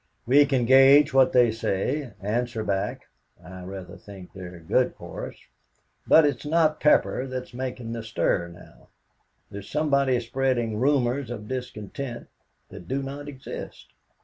We can gauge what they say, answer back. I rather think they're good for us, but it's not Pepper that is making the stir now. There's somebody spreading rumors of discontent that do not exist.